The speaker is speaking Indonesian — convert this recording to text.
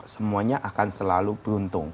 semuanya akan selalu beruntung